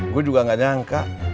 gue juga gak nyangka